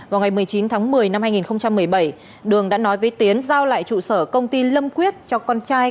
vào ngày một mươi chín tháng một mươi năm hai nghìn một mươi bảy đường đã nói với tiến giao lại trụ sở công ty lâm quyết cho con trai